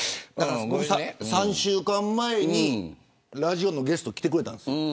３週間前にラジオのゲストに来てくれたんです。